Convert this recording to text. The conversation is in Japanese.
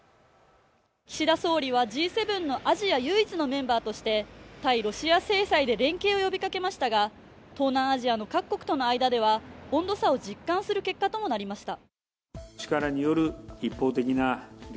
岸田総理はＧ７のアジア唯一のメンバーとして対ロシア制裁で連携を呼びかけましたが東南アジアの各国との間では温度差を実感する結果ともなりました。